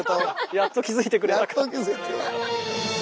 やっと気付いてくれた。